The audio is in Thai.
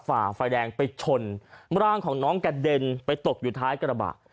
ฝ่าไฟแดงไปชนร่างของน้องกระเด็นไปตกอยู่ท้ายกระบะ